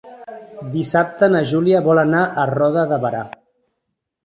Dissabte na Júlia vol anar a Roda de Berà.